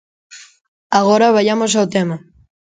Agora vaiamos ao tema.